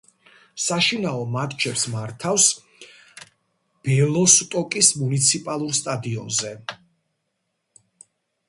საშინაო მატჩებს მართავს ბელოსტოკის მუნიციპალურ სტადიონზე.